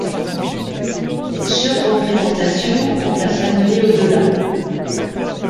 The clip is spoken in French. Cette surreprésentation tend à s'annuler au-delà.